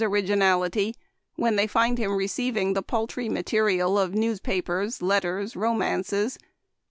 originality when they find him receiving the paltry material of newspapers, letters, romances.